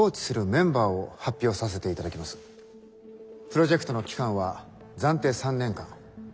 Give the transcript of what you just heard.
プロジェクトの期間は暫定３年間。